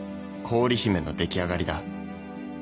氷姫の出来上がりだ。